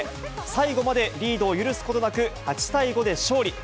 最後までリードを許すことなく、８対５で勝利。